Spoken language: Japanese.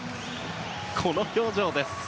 この表情でした。